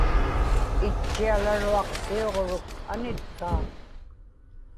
itchialaruaq siuġruk anitkaa